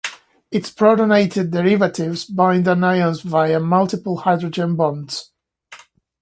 Its protonated derivatives bind anions via multiple hydrogen bonds.